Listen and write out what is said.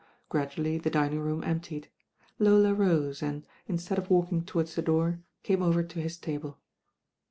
Gradually the dining room emptied. Lola rose and, instead of walkiiM towards the door, came over to his table.